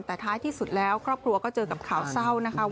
แต่ท้ายที่สุดแล้วครอบครัวก็เจอกับข่าวเศร้านะคะ